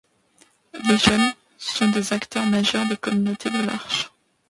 Les jeunes sont des acteurs majeurs des communautés de L'Arche.